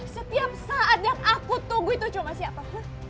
setiap saat yang aku tunggu itu cuma siapa